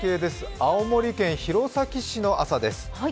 青森県弘前市の朝です。